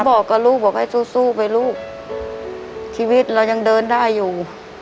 บอกกับลูกบอกให้สู้สู้ไปลูกชีวิตเรายังเดินได้อยู่